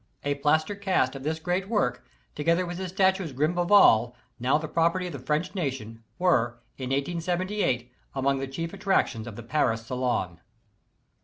A plaster cast of this great work, together with his statue "Gribeauval," now the property of the French nation, were, in 1878, among the chief attractions of the Paris Salon.